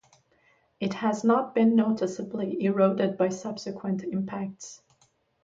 It has not been noticeably eroded by subsequent impacts.